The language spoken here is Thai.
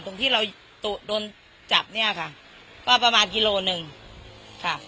ตรงที่เราโดนจับเนี่ยค่ะก็ประมาณกิโลหนึ่งค่ะ